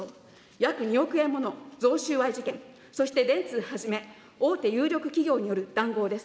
約２億円もの贈収賄事件、そして電通はじめ、大手有力企業による談合です。